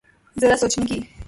ذرا سوچنے کی۔